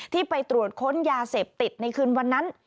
ที่ไปตรวจค้นยาเสพติดในคืนวันนั้น